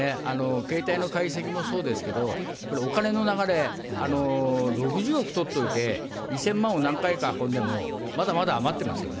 携帯の解析もそうですけど、やっぱりお金の流れ、６０億とっておいて、２０００万を何回か運んでも、まだまだ余ってますよね。